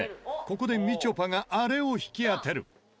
ここでみちょぱがあれを引き当てる。